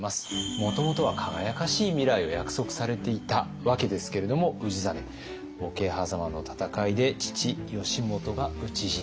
もともとは輝かしい未来を約束されていたわけですけれども氏真桶狭間の戦いで父義元が討ち死に。